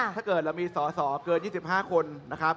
ถ้าเกิดเรามี๒๕คนครับ